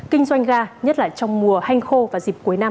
kinh doanh ga nhất là trong mùa hanh khô và dịp cuối năm